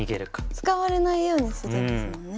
使われないようにするんですもんね。